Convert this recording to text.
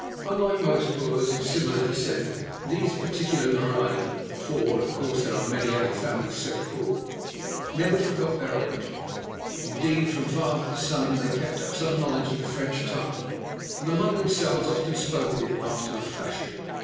Unlike most Boers of similar descent, these particular Marais—for, of course, there are many other families so called—never forgot their origin. Indeed, from father to son, they kept up some knowledge of the French tongue, and among themselves often spoke it after a fashion.